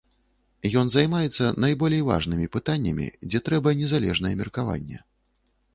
Ён займаецца найболей важнымі пытаннямі, дзе трэба незалежнае меркаванне.